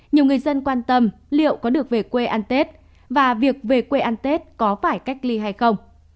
nhiều người dân quan tâm liệu có được về quê ăn tết và việc về quê ăn tết có phải cách ly hay không